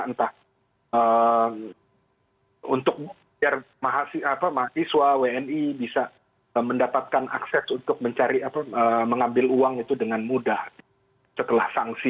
entah untuk biar mahasiswa wni bisa mendapatkan akses untuk mencari apa mengambil uang itu dengan mudah setelah sanksi